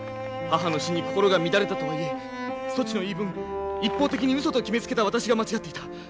母の死に心が乱れたとはいえそちの言い分一方的にうそと決めつけた私が間違っていた。